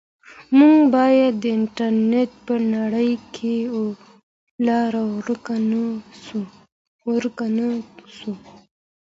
موږ باید د انټرنیټ په نړۍ کې لار ورک نه سو.